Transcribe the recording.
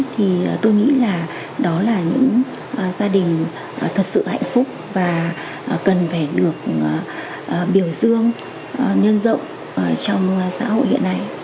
thì tôi nghĩ là đó là những gia đình thật sự hạnh phúc và cần phải được biểu dương nhân rộng trong xã hội hiện nay